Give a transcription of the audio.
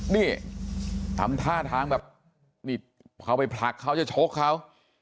นี่ทำท่าทางแบบนี่เขาไปผลักเขาจะชกเขา